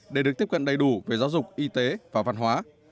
để được tiếp cận đầy đủ về giáo dục y tế và văn hóa